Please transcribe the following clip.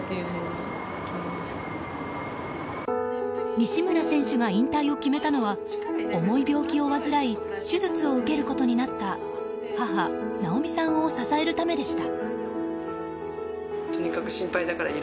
西村選手が引退を決めたのは重い病気を患い手術を受けることになった母・直美さんを支えることでした。